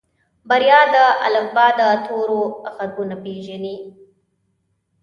بريا د الفبا د تورو غږونه پېژني.